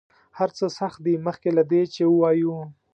هر څه سخت دي مخکې له دې چې ووایو.